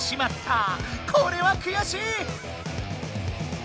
これはくやしい！